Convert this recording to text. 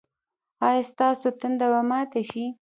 ایا ستاسو تنده به ماته شي؟